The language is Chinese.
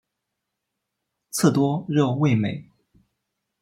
刺多肉味美。